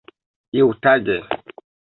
iutage